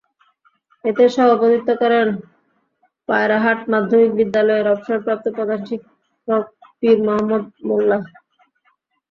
এতে সভাপতিত্ব করেন পায়রাহাট মাধ্যমিক বিদ্যালয়ের অবসরপ্রাপ্ত প্রধান শিক্ষক পীর মোহাম্মাদ মোল্যা।